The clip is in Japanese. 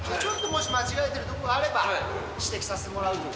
間違えてるところあれば指摘させてもらうので。